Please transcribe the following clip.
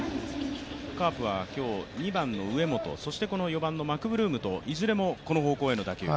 カープは今日、２番の上本、４番のマクブルームといずれもこの方向への打球。